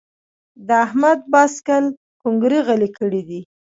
د احمد باسکل کونګري غلي کړي دي.